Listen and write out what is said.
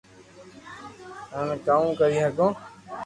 ھين ڪاو ڪري ھگو